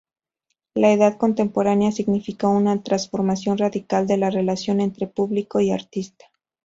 La Edad Contemporánea significó una transformación radical de la relación entre público y artista.